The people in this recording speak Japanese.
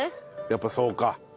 やっぱそうか。